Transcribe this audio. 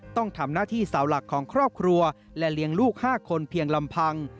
ต้องทำหน้าที่สาวหลักของครอบครัวและเลี้ยงลูก๕คนเพียงลำพัง